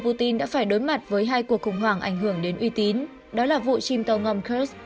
putin đã phải đối mặt với hai cuộc khủng hoảng ảnh hưởng đến uy tín đó là vụ chim tàu ngòm kursk